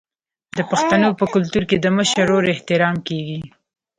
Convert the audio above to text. د پښتنو په کلتور کې د مشر ورور احترام کیږي.